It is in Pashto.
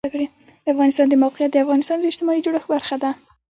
د افغانستان د موقعیت د افغانستان د اجتماعي جوړښت برخه ده.